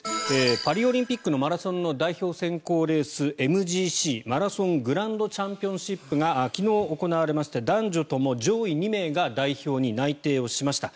パリオリンピックのマラソンの代表選考レースＭＧＣ・マラソングランドチャンピオンシップが昨日、行われまして男女とも上位２名が代表に内定をしました。